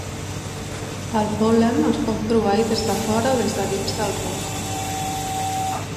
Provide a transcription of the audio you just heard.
El pol·len es pot proveir des de fora o des de dins del rusc.